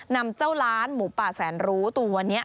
นำเจ้าล้านหมูป่าแสนรู้ตัวนี้